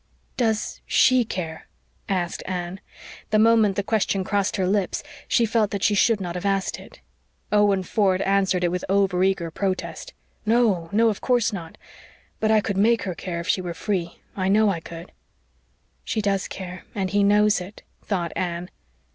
"Does SHE care?" asked Anne. The moment the question crossed her lips she felt that she should not have asked it. Owen Ford answered it with overeager protest. "No no, of course not. But I could make her care if she were free I know I could." "She does care and he knows it," thought Anne.